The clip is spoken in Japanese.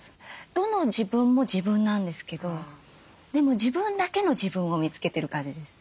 どの自分も自分なんですけどでも自分だけの自分を見つけてる感じです。